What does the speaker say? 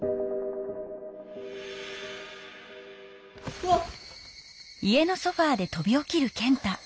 うわっ。